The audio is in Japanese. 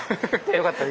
「よかったら」